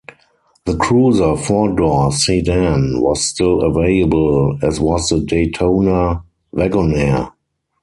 The Cruiser four-door sedan was still available, as was the Daytona Wagonaire.